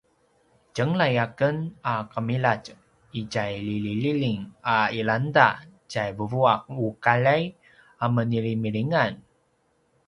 tjenglay a ken a qemiladj itja liljililjing a ilangda tjai vuvuaqaljay a menilimilingan